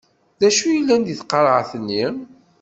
D acu yellan deg tqerεet-nni?